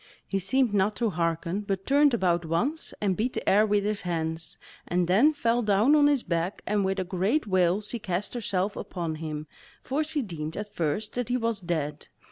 He seemed not to hearken, but turned about once, and beat the air with his hands, and then fell down on his back and with a great wail she cast herself upon him, for she deemed at first that he was dead.